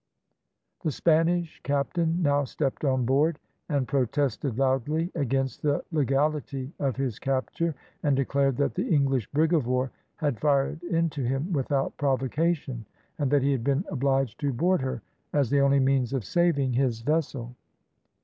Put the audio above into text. The Spanish captain now stepped on board, and protested loudly against the legality of his capture, and declared that the English brig of war had fired into him without provocation, and that he had been obliged to board her, as the only means of saving his vessel.